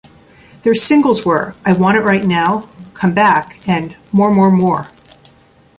Their singles were "I Want It Right Now", "Come Back" and "More More More".